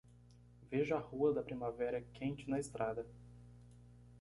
Veja a rua da primavera quente na estrada